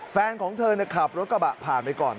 แฟนของเธอขับรถกระบะผ่านไปก่อน